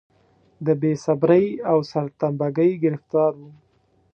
د بې صبرۍ او سرتمبه ګۍ ګرفتار و.